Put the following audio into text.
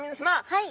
はい。